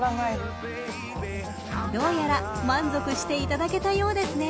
［どうやら満足していただけたようですね］